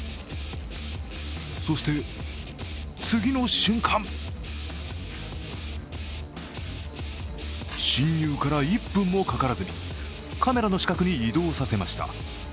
そして次の瞬間侵入から１分もかからずにカメラの死角に移動させました。